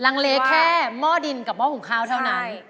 ลังเลแค่หม้อดินกับหม้อหุงข้าวเท่านั้น